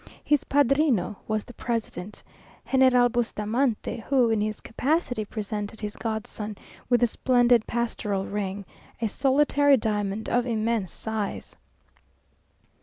His padrino was the President, General Bustamante, who in his capacity presented his godson with the splendid pastoral ring, a solitary diamond of immense size.